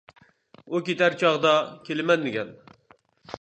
ئۇ كېتەر چاغدا : كېلىمەن دېگەن.